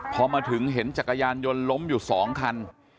พอมาถึงเห็นจักรยานยนต์ล้มอยู่๒คัน